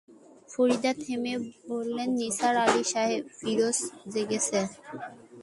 ফরিদা থেমে বললেন, নিসার আলি সাহেব, ফিরোজ জেগেছে।